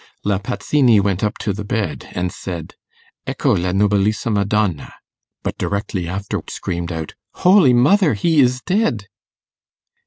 La Pazzini went up to the bed and said, 'Ecco la nobilissima donna;' but directly after screamed out, 'Holy mother! he is dead!